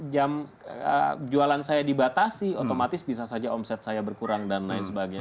jam jualan saya dibatasi otomatis bisa saja omset saya berkurang dan lain sebagainya